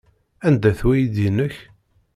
Anda-t weydi-nnek?